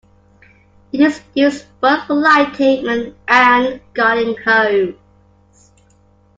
It is used both for lighting and guarding homes.